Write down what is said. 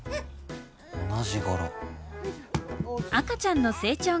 同じ柄。